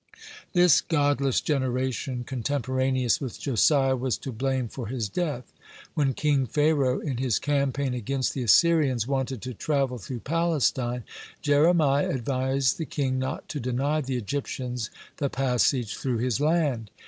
This godless generation contemporaneous with Josiah was to blame for his death. When King Pharaoh, in his campaign against the Assyrians, wanted to travel through Palestine, Jeremiah advised the king not to deny the Egyptians the passage through his land.